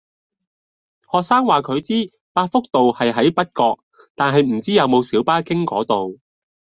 學生話佢知百福道係喺北角，但係唔知有冇小巴經嗰度